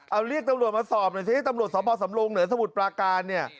เอาเรียกตำรวจมาสอบให้ตำรวจสวปสำรงเหลือสมัตวธปราการ